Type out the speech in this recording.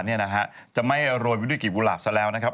เนี่ยนะฮะจะไม่โรยไปด้วยกลีบกุหลาบซะแล้วนะครับ